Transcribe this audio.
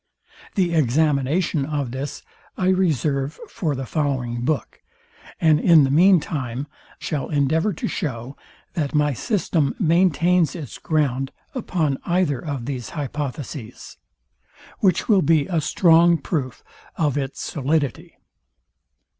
The examination of this I reserve for the following book; and in the mean time I shall endeavour to show, that my system maintains its ground upon either of these hypotheses; which will be a strong proof of its solidity.